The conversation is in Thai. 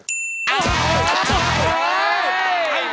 โอ้โหโอ้โหโอ้โห